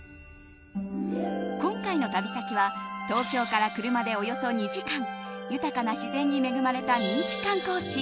今回の旅先は東京から車でおよそ２時間豊かな自然に恵まれた人気観光地